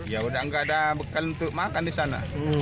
ya udah nggak ada bekal untuk makan di sana